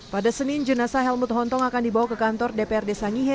pada senin jenazah helmut hontong akan dibawa ke kantor dprd sangihe